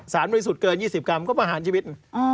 บริสุทธิ์เกิน๒๐กรัมก็ประหารชีวิต